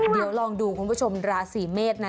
เดี๋ยวลองดูคุณผู้ชมราศีเมษนะ